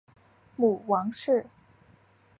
母王氏。